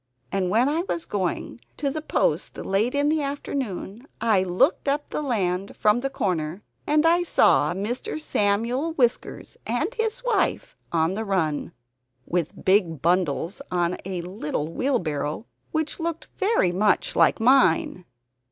And when I was going to the post late in the afternoon I looked up the land from the corner, and I saw Mr. Samuel Whiskers and his wife on the run, with big bundles on a little wheelbarrow, which looked very much like mine.